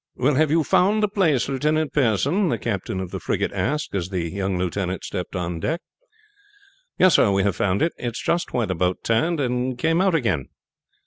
"Well, have you found the place, Lieutenant Pearson?" the captain of the frigate asked as the young lieutenant stepped on deck. "Yes, sir, we have found it. It is just where the boat turned and came out again."